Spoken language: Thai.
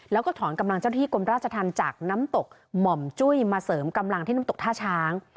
แล้วก็ถอนกำลังเจ้าที่กรมราชธรรมจากน้ำตกหม่อมจุ้ยมาเสริมกำลังที่น้ำตกท่าช้าง